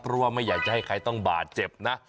เพราะว่าไม่อยากจะให้ใครต้องบาดเจ็บนะ